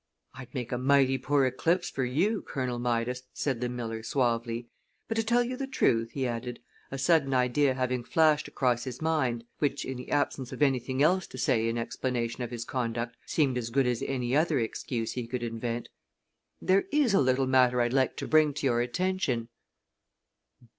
"I'd make a mighty poor eclipse for you, Colonel Midas," said the miller, suavely, "but to tell you the truth," he added, a sudden idea having flashed across his mind, which in the absence of anything else to say in explanation of his conduct seemed as good as any other excuse he could invent, "there is a little matter I'd like to bring to your attention."